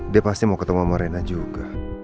dia pasti mau ketemu sama marena juga